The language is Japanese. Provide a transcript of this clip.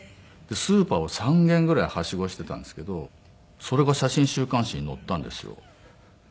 スーパーを３軒ぐらいはしごしていたんですけどそれが写真週刊誌に載ったんですよ。